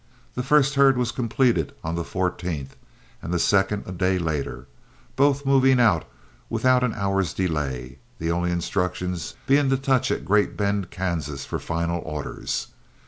The first herd was completed on the 14th, and the second a day later, both moving out without an hour's delay, the only instructions being to touch at Great Bend, Kansas, for final orders.